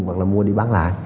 hoặc là mua đi bán lại